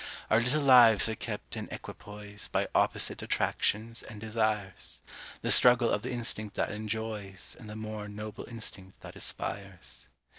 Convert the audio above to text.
Our little lives are kept in equipoise By opposite attractions and desires; The struggle of the instinct that enjoys, And the more noble instinct that aspires.